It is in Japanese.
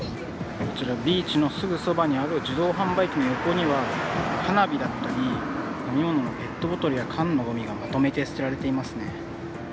こちら、ビーチのすぐそばにある自動販売機の横には、花火だったり、飲み物のペットボトルや缶のごみがまとめて捨てられていますね。